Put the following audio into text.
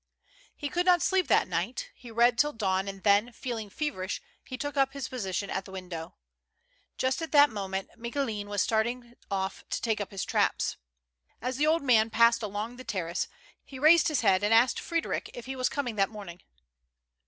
He could not sleep that night; he read till dawn, and then, feeling feverish, he took up his position at the window. Just at that moment Micoulin was starting off to take up his traps. As the old man passed along the terrace he raised his head and asked Frederic if he was coming that morning.